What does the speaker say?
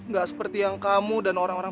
gak seperti yang kamu dan orang orang